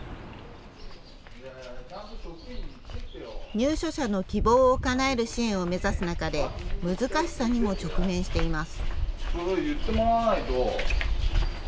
入所者の希望をかなえる支援を目指す中で、難しさにも直面しています。